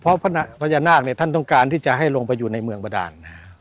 เพราะพญานาคเนี่ยท่านต้องการที่จะให้ลงไปอยู่ในเมืองบาดาน